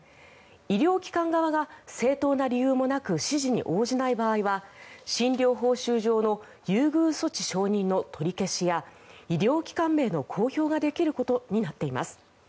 医療機関側が正当な理由もなく指示に応じない場合は診療報酬上の優遇措置承認の取り消しや医療機関名の公表ができることになっています。